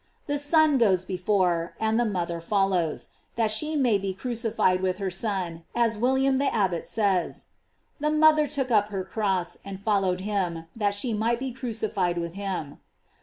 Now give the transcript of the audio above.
The Son goes before, and the mother follows, that she may be cru cified with her Son, as William the Abbot says: The mother took up her cross, and followed him, that she might be crucified with him.